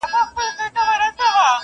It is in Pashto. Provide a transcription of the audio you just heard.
چا منلی چا له یاده دی ایستلی!.